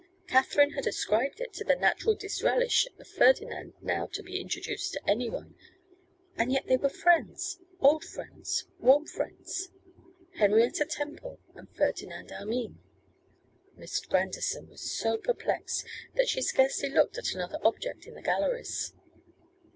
Katherine had ascribed it to the natural disrelish of Ferdinand now to be introduced to anyone. And yet they were friends, old friends, warm friends. Henrietta Temple and Ferdinand Armine! Miss Grandison was so perplexed that she scarcely looked at another object in the galleries.